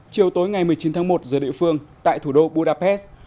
chiều tối ngày một mươi chín tháng một giờ địa phương tại thủ đô budapest